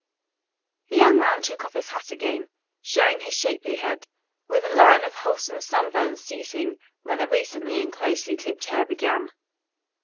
The young man took off his hat again, showing his shapely head, with a line of wholesome sunburn ceasing where the recently and closely clipped hair began.